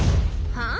・はあ？